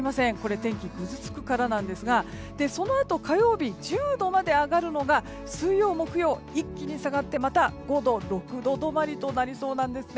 天気がぐずつくからなんですがそのあと火曜日１０度まで上がるのが水曜、木曜、一気に下がってまた５度、６度止まりとなりそうなんですね。